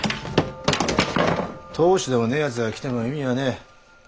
当主でもねえやつが来ても意味はねえ。